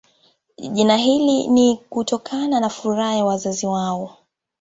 Jina hili ni kutokana na furaha ya wazazi wao